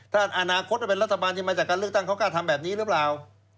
ถ้าอนาคตถ้าเป็นรัฐบาลที่มาจากการเลือกตั้งเขากล้าทำแบบนี้หรือเปล่า